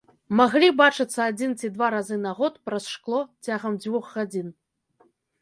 Маглі бачыцца адзін ці два разы на год праз шкло цягам дзвюх гадзін.